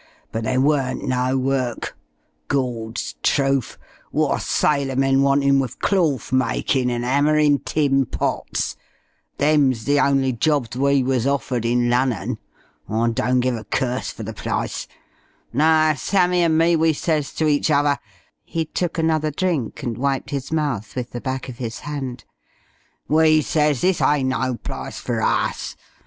But there weren't no work. Gawd's truf! What're sailormen wantin' wi' clorth makin' and 'ammering' tin pots? Them's the only jobs we wuz offered in Lunnon. I don't give a curse for the plyce.... No, Sammy an' me we says to each other" he took another drink and wiped his mouth with the back of his hand "we says this ain't no plyce for us.